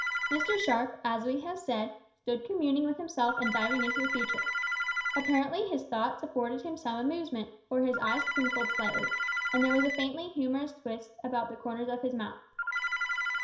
Mr Sharp, as we have said stood communing with himself and diving into the future. Apparently his thoughts afforded him some amusement, for his eyes twinkled slightly, and there was a faintly humorous twist about the corners of his mouth.